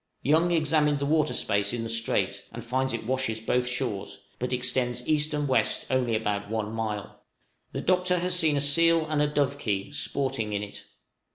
Young examined the water space in the strait, and finds it washes both shores, but extends east and west only about one mile. The Doctor has seen a seal and a dovekie sporting in it.